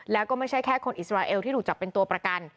แล้วก็ไม่ใช่แค่คนอิสราเอลที่ถูกจับเป็นตัวประกัน